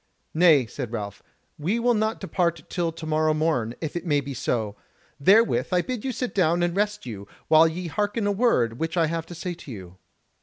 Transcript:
"Nay," said Ralph, "we will not depart till tomorrow morn, if it may be so. Therewith I bid you sit down and rest you, while ye hearken a word which I have to say to you."